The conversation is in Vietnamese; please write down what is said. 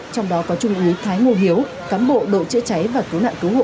trong đó có trung úy thái ngô hiếu cán bộ đội chữa cháy và cứu nạn cứu hộ